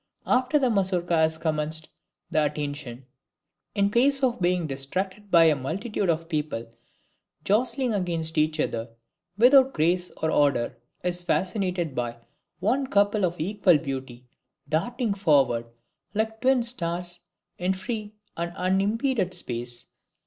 After the Mazourka has commenced, the attention, in place of being distracted by a multitude of people jostling against each other without grace or order, is fascinated by one couple of equal beauty, darting forward, like twin stars, in free and unimpeded space.